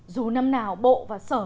dù năm nào bộ và sở